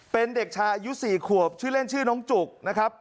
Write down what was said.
เป็นเด็กชายอายุ๔ขวบชื่อเล่นชื่อน้องจุกนะครับ